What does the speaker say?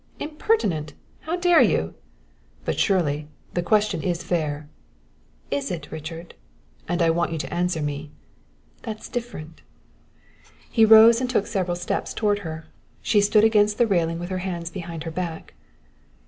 "Impertinent! How dare you?" "But Shirley, the question is fair!" "Is it, Richard?" "And I want you to answer me." "That's different." He rose and took several steps toward her. She stood against the railing with her hands behind her back.